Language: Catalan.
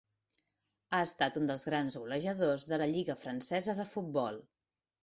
Ha estat un dels més grans golejadors de la lliga francesa de futbol.